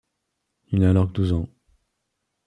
Il n'a alors que douze ans.